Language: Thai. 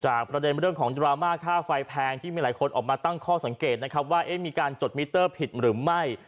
ประเด็นเรื่องของดราม่าค่าไฟแพงที่มีหลายคนออกมาตั้งข้อสังเกตนะครับว่ามีการจดมิเตอร์ผิดหรือไม่